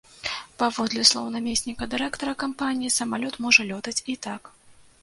Паводле слоў намесніка дырэктара кампаніі, самалёт можа лётаць і так.